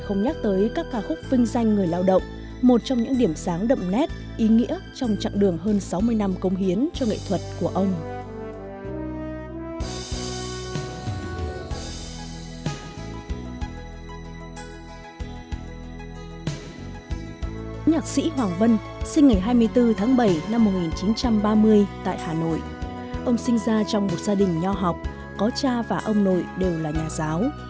ông sinh ra trong một gia đình nho học có cha và ông nội đều là nhà giáo